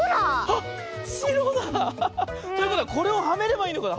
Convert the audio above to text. あっしろだ！ということはこれをはめればいいのかな？